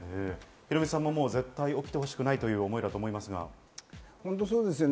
ヒロミさんも絶対起きてほしくないという思いだと思いますが。